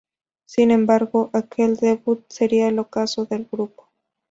Sin embargo, aquel debut sería el ocaso del grupo.